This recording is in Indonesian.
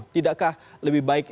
tidakkah lebih baik